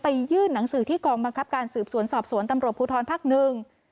ยื่นหนังสือที่กองบังคับการสืบสวนสอบสวนตำรวจภูทรภักดิ์หนึ่ง